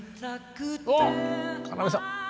あっ要さん。